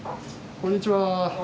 こんにちは。